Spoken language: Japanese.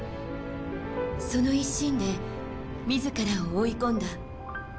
その一心で自らを追い込んだ。